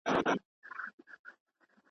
نه یوه چېغه مستانه سته زه به چیري ځمه.